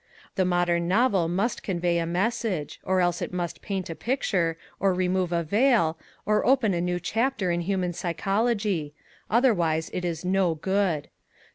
The modern novel must convey a message, or else it must paint a picture, or remove a veil, or open a new chapter in human psychology. Otherwise it is no good.